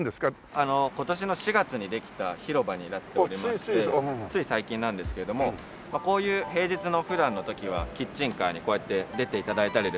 今年の４月にできた広場になっておりましてつい最近なんですけどもこういう平日の普段の時はキッチンカーにこうやって出て頂いたりですとか。